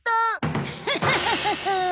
ハハハハハ！